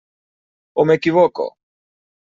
O m'equivoco?